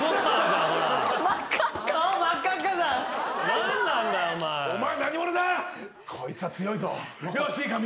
何なんだよお前。